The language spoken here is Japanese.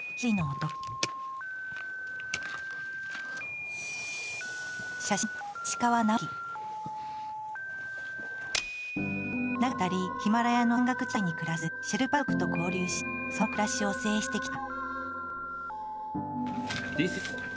長きにわたりヒマラヤの山岳地帯に暮らすシェルパ族と交流しその暮らしを撮影してきた。